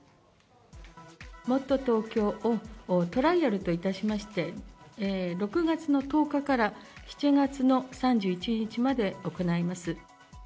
もっとＴｏｋｙｏを、トライアルといたしまして、６月の１０日から７月の３１日まで行います。